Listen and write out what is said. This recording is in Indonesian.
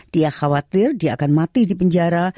dia khawatir dia akan mati di penjara